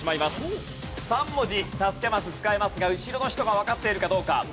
３文字助けマス使えますが後ろの人がわかっているかどうか。